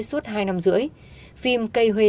suốt hai năm rưỡi phim cây huê